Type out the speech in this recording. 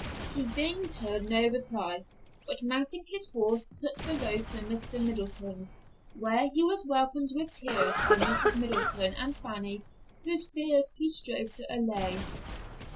He deigned her no reply, but mounting his horse took the road to Mr. Middleton's, where he was welcomed with tears by Mrs. Middleton and Fanny, whose fears he strove to allay.